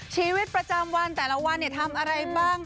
ชีวิตประจำวันแต่ละวันทำอะไรบ้าง